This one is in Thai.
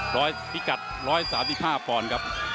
ร้อยพิกัด๑๓๕พรครับ